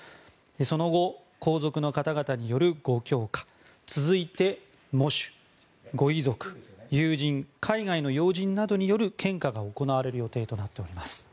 その後、皇族の方々によるご供花続いて喪主、ご遺族、友人海外の要人などによる献花が行われる予定となっております。